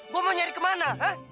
gue mau nyari kemana